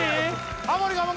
ハモリ我慢